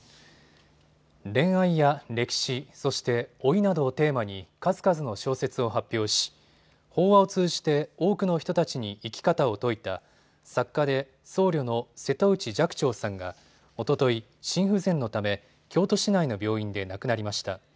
恋愛や歴史、そして老いなどをテーマに数々の小説を発表し法話を通じて多くの人たちに生き方を説いた作家で僧侶の瀬戸内寂聴さんがおととい、心不全のため京都市内の病院で亡くなりました。